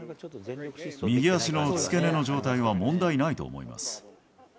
右足の付け根の状態は問題ないと思います。